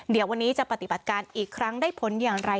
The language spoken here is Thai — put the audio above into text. เดี๋ยววันนี้จะปฏิบัติการอีกครั้งได้ผลอย่างไร